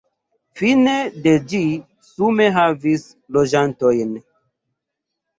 Fine de ĝi sume havis loĝantojn.